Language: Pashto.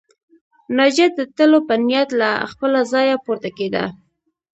ناجيه د تلو په نيت له خپله ځايه پورته کېده